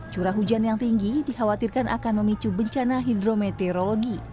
curah hujan yang tinggi dikhawatirkan akan memicu bencana hidrometeorologi